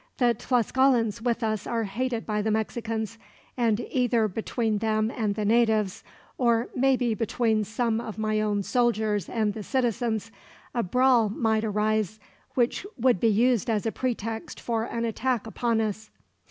The Tlascalans with us are hated by the Mexicans, and either between them and the natives, or maybe between some of my own soldiers and the citizens, a brawl might arise which would be used as a pretext for an attack upon us.